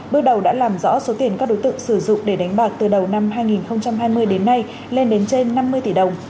có số tiền các đối tượng sử dụng để đánh bạc từ đầu năm hai nghìn hai mươi đến nay lên đến trên năm mươi tỷ đồng